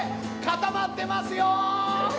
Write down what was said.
固まってますよ！